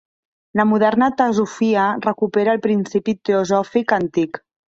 La moderna teosofia recupera el principi teosòfic antic.